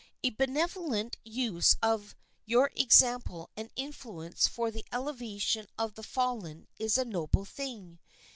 A benevolent use of your example and influence for the elevation of the fallen is a noble thing.